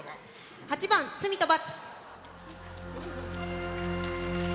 ８番「罪と罰」。